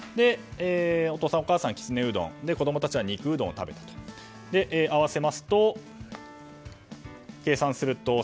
お父さんお母さんはきつねうどん子供たちは肉うどんを食べたと合わせますと３１．８ドル。